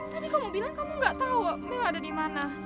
tadi kamu bilang kamu gak tahu mau ada di mana